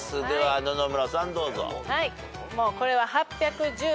野々村さんどうぞ。